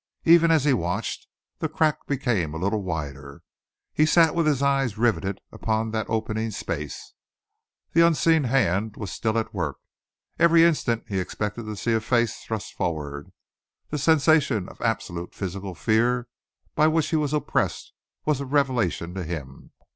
Even as he watched, the crack became a little wider. He sat with his eyes riveted upon that opening space. The unseen hand was still at work. Every instant he expected to see a face thrust forward. The sensation of absolute physical fear by which he was oppressed was a revelation to him.